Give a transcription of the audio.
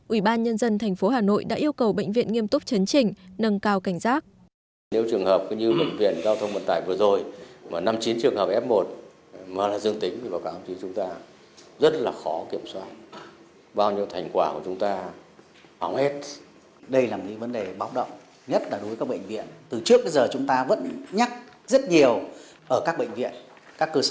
ủy ban nhân dân tp hà nội đã yêu cầu bệnh viện nghiêm túc chấn chỉnh nâng cao cảnh giác